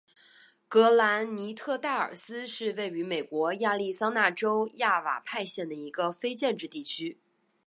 格兰尼特戴尔斯是位于美国亚利桑那州亚瓦派县的一个非建制地区。